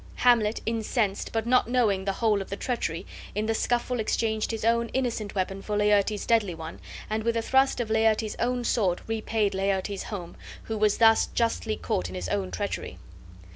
Hamlet, incensed, but not knowing, the whole of the treachery, in the scuffle exchanged his own innocent weapon for Laertes's deadly one, and with a thrust of Laertes's own sword repaid Laertes home, who was thus justly caught in his own treachery.